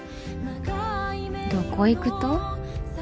どこ行くと？